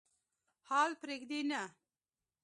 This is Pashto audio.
حال پرېږدي نه.